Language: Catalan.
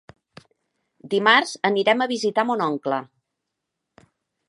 Dimarts irem a visitar mon oncle.